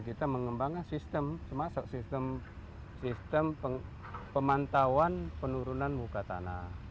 kita mengembangkan sistem termasuk sistem pemantauan penurunan muka tanah